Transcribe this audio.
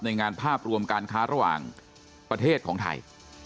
งานภาพรวมการค้าระหว่างประเทศของไทย